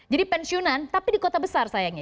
jadi pensiunan tapi di kota besar sayangnya